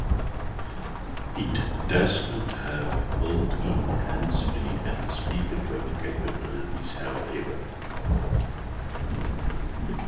It does not have built-in handsfree or speakerphone capabilities, however.